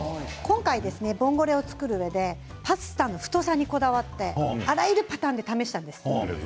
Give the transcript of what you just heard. ボンゴレを作るうえで今回はパスタの太さにこだわってあらゆるパターンで試しました。